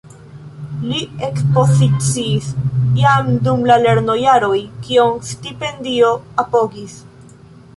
Li ekspoziciis jam dum la lernojaroj, kion stipendio apogis.